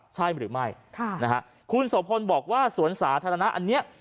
ใช่หรือไม่คุณโสโพนบอกว่าสวนสาธารณะอันเนี้ย